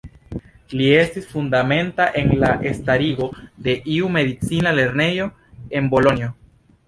Li estis fundamenta en la starigo de iu medicina lernejo en Bolonjo.